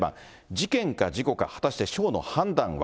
事件か事故か、果たして司法の判断は。